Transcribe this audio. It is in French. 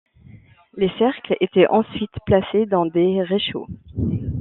Les cercles étaient ensuite placés dans des réchauds.